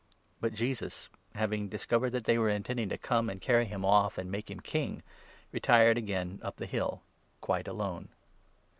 But Jesus, having discovered that they were intending to come it and carry him off to make him King, retired again up the hill, quite alone.